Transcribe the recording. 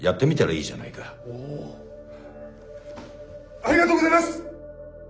ありがとうございます！